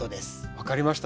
分かりました。